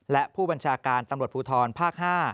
และผู้บัญชาการตำรวจภูทรภาค๕